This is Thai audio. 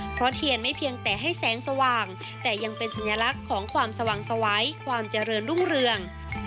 เพราะเทียนไม่เพียงแต่ให้แสงสว่างแต่ยังเป็นสัญลักษณ์ของความสว่างสวัยความเจริญรุ่งเรือง